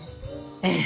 ええ。